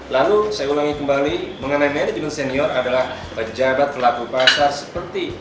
lalu saya ulangi kembali mengenai manajemen senior adalah pejabat pelaku pasar seperti